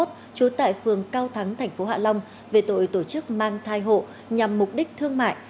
trú tại phường cao thắng tp hạ long về tội tổ chức mang thai hộ nhằm mục đích thương mại